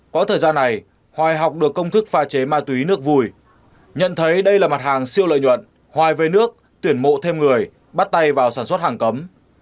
quãng thời gian này hoài học được công thức pha chế ma túy nước vui nhận thấy đây là mặt hàng siêu lợi nhuận hoài về nước tuyển mộ thêm người bắt tay vào sản xuất hàng cấm